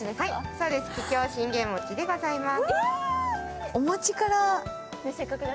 そうです、桔梗信玄餅でございます。